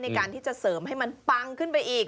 ในการที่จะเสริมให้มันปังขึ้นไปอีก